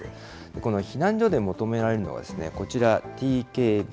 この避難所で求められるのは、こちら、ＴＫＢ。